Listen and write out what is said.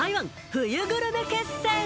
冬グルメ決戦！